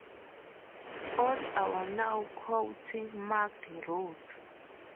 All are now county marked routes.